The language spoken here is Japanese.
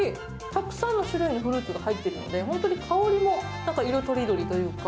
たくさんの種類のフルーツが入っているので、本当に香りもなんか色とりどりというか。